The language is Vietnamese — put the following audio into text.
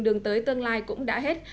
đường tới tương lai cũng đã hết